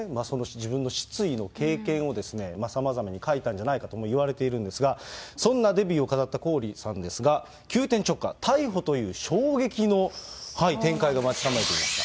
自分の失意の経験をさまざまに書いたんじゃないかとも言われているんですが、そんなデビューを飾ったコーリさんですが、急転直下、逮捕という衝撃の展開が待ち構えていました。